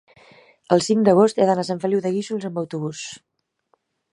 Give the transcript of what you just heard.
el cinc d'agost he d'anar a Sant Feliu de Guíxols amb autobús.